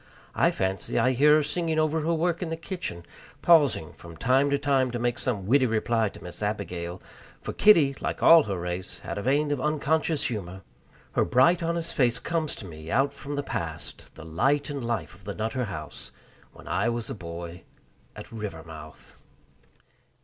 I fancy I hear her singing over her work in the kitchen, pausing from time to time to make some witty reply to Miss Abigail for Kitty, like all her race, had a vein of unconscious humor. Her bright honest face comes to me out from the past, the light and life of the Nutter House when I was a boy at Rivermouth.